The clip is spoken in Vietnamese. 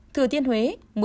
thừa tiên huế một mươi bảy